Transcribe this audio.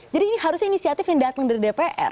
jadi ini harusnya inisiatif yang datang dari dpr